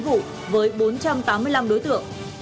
từ các tài liệu này các tài liệu này đã được phát triển